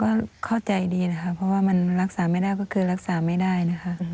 ก็เข้าใจดีนะคะเพราะว่ามันรักษาไม่ได้ก็คือรักษาไม่ได้นะคะ